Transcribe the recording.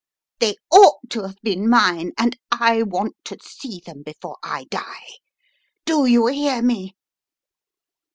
They ought to have been mine and I want to see them before I die. Do you hear me?"